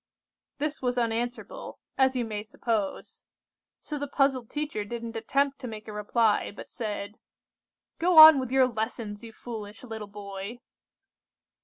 "This was unanswerable, as you may suppose; so the puzzled teacher didn't attempt to make a reply, but said:— "'Go on with your lessons, you foolish little boy!